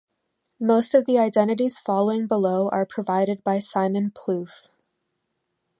Most of the identities following below are provided by Simon Plouffe.